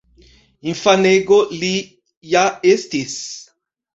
Infanego li ja estis.